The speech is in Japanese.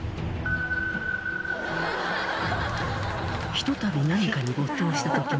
「ひとたび何かに没頭した時の」